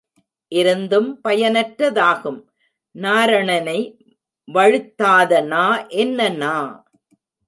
இருந்தும் பயனற்றதாகும் நாரணனை வழுத்தாத நா என்ன நா?